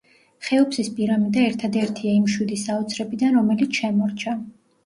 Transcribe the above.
ხეოფსის პირამიდა ერთადერთია იმ შვიდი საოცრებიდან, რომელიც შემორჩა.